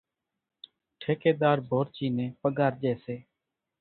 ٺڪيۮار ڀورچِي نين پڳار ڄيَ سي۔